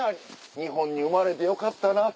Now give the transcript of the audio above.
日本に生まれてよかったなって。